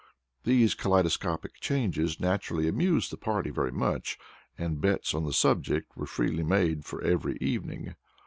These kaleidoscopic changes naturally amused the party very much, and bets on the subject were freely made every evening.